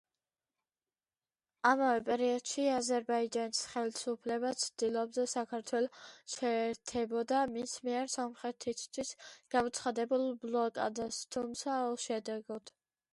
ამავე პერიოდში აზერბაიჯანის ხელისუფლება ცდილობდა საქართველო შეერთებოდა მის მიერ სომხეთისთვის გამოცხადებულ ბლოკადას, თუმცა უშედეგოდ.